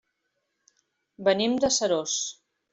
Venim de Seròs.